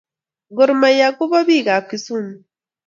Gor mahia ko ba pik ab kisumu